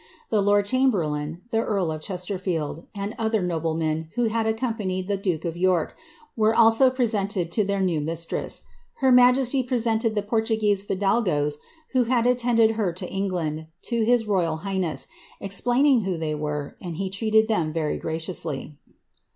The lord chamberlain, the earl of Chesterfield, and other noblemen who bad accompanied the duke of York, were also presented to their new mis tress. Her majesty presented the Portuguese /da/^oe« who had attended her to £ngland, to his royal highness, explaining who they were, and he treated them most graciously.